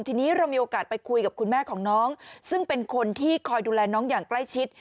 ทีนี้เรามีโอกาสไปคุยกับคุณแม่ของน้องซึ่งเป็นคนที่คอยดูแลน้องอย่างใกล้ชิด